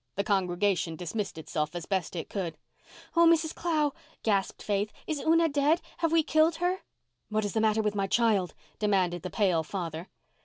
The congregation dismissed itself as best it could. "Oh, Mrs. Clow," gasped Faith, "is Una dead? Have we killed her?" "What is the matter with my child?" demanded the pale father.